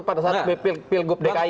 pada saat pilgub dki